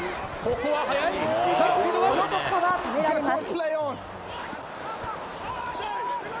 この突破が止められます。